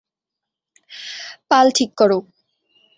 পাল ঠিক করো!